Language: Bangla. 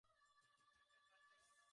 ওয়েবসাইটে সার্চ করে দেখ।